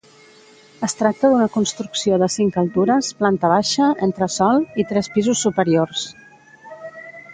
Es tracta d'una construcció de cinc altures, planta baixa, entresòl i tres pisos superiors.